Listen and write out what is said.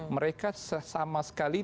mereka sama sekali